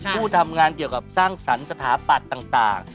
ผู้ทำงานเกี่ยวกับสร้างสรรค์สถาปัตย์ต่าง